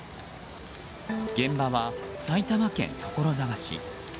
現場は埼玉県所沢市。